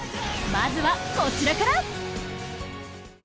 まずはこちらから。